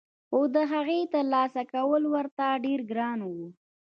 خو دهغې ترلاسه کول ورته ډېر ګران وو